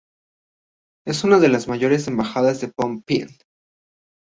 Es una de las mayores embajadas en Phnom Penh.